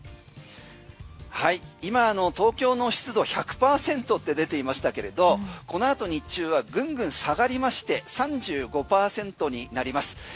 今、東京の湿度１００％って出ていましたけれどこのあと日中はぐんぐん下がりまして３５％になります。